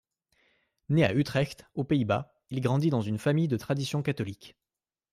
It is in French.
Né à Utrecht aux Pays-Bas, il grandit dans une famille de tradition catholique.